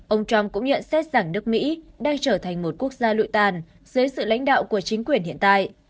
ông trump cũng nhận xét rằng nước mỹ đang trở thành một quốc gia lụi tàn dưới sự lãnh đạo của chính quyền hiện tại